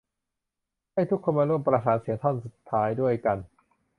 ให้ทุกคนมาร่วมประสานเสียงท่อนสุดท้ายด้วยกัน